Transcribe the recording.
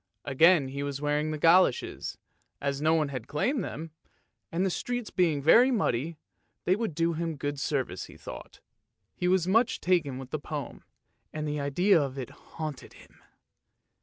Again he was wearing the goloshes, as no one had claimed them, and the streets being very muddy, they would do him good service, he thought. He was much taken with the poem, and the idea of it haunted him.